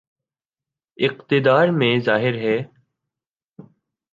اقتدار میں ظاہر ہے۔